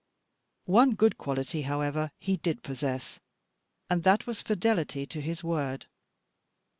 One good quality, however, he did possess, and that was fidelity to his word.